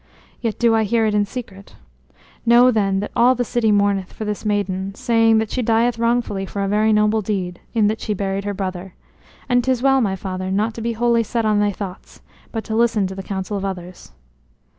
Yet do I hear it in secret. Know then that all the city mourneth for this maiden, saying that she dieth wrongfully for a very noble deed, in that she buried her brother. And 'tis well, my father, not to be wholly set on thy thoughts, but to listen to the counsels of others."